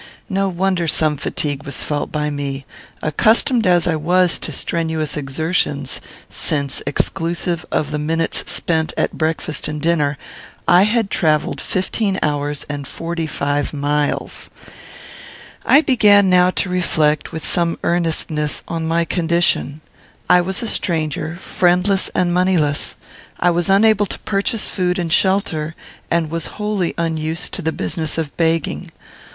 No wonder some fatigue was felt by me, accustomed as I was to strenuous exertions, since, exclusive of the minutes spent at breakfast and dinner, I had travelled fifteen hours and forty five miles. I began now to reflect, with some earnestness, on my condition. I was a stranger, friendless and moneyless. I was unable to purchase food and shelter, and was wholly unused to the business of begging.